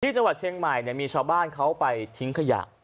จังหวัดเชียงใหม่มีชาวบ้านเขาไปทิ้งขยะ